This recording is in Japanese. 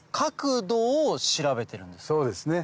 そうですね。